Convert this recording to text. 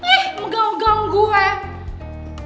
ih mengganggu gue